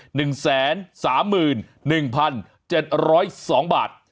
หนึ่งแสนสามหมื่นหนึ่งพันเจ็ดร้อยสองบาท